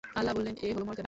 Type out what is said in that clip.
আল্লাহ বললেন, এ হল মর্যাদা।